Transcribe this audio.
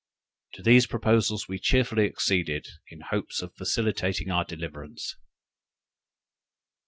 To these proposals we cheerfully acceded, in hopes of facilitating our deliverance.